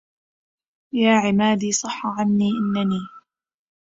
يا عمادي صح عني أنني